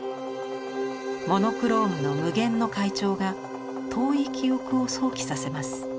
モノクロームの無限の階調が遠い記憶を想起させます。